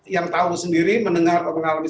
yang tahu sendiri mendengar atau mengalami